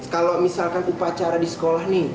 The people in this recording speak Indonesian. kalau misalkan upacara di sekolah nih